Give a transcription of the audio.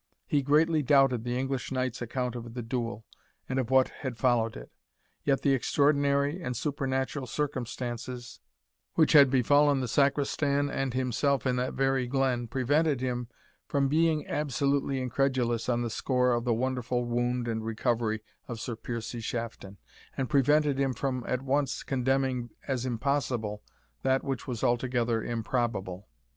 He greatly doubted the English knight's account of the duel, and of what had followed it. Yet the extraordinary and supernatural circumstances which had befallen the Sacristan and himself in that very glen, prevented him from being absolutely incredulous on the score of the wonderful wound and recovery of Sir Piercie Shafton, and prevented him from at once condemning as impossible that which was altogether improbable.